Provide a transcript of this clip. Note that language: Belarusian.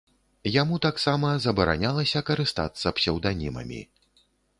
Яму таксама забаранялася карыстацца псеўданімамі.